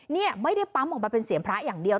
นี่ไม่ได้ปั๊มออกมาเป็นเสียงพระอย่างเดียว